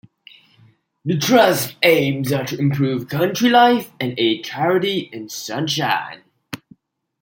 The trust's aims are to improve country life and aid charity in Sunshine.